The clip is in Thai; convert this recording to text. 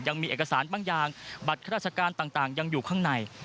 ยังมีเอกสารบางอย่างบัตรข้าราชการต่างยังอยู่ข้างใน